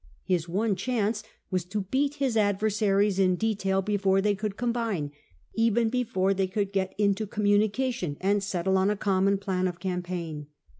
His one chance was to beat his adversaries in detail before they could combine, — even before they could get into communication and settle on a common plan of campaign.